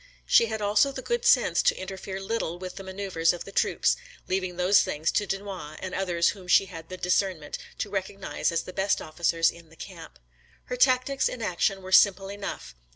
She had also the good sense to interfere little with the manoeuvres of the troops, leaving those things to Dunois, and others whom she had the discernment to recognise as the best officers in the camp. Her tactics in action were simple enough.